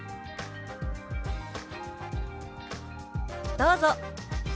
どうぞ。